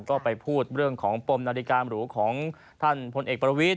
ก็ไปพูดเรื่องของปมนาฬิการูของท่านพลเอกประวิทย